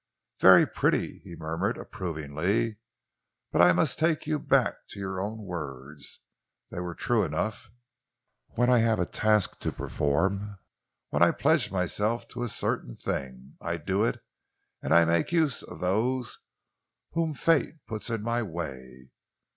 "Very pretty," he murmured approvingly, "but I must take you back to your own words they were true enough. When I have a task to perform, when I pledge myself to a certain thing, I do it, and I must make use of those whom fate puts in my way.